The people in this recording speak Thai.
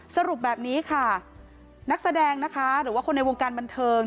สรุปแบบนี้ค่ะนักแสดงนะคะหรือว่าคนในวงการบันเทิง